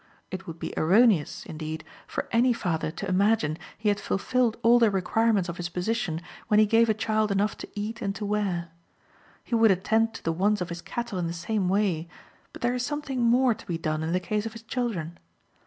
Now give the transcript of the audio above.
It would be erroneous, indeed, for any father to imagine he had fulfilled all the requirements of his position when he gave a child enough to eat and to wear. He would attend to the wants of his cattle in the same way, but there is something more to be done in the case of his children.